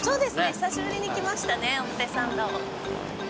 久しぶりに来ましたね表参道。